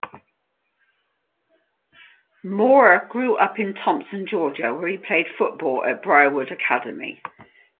Mohr grew up in Thomson, Georgia, where he played football at Briarwood Academy.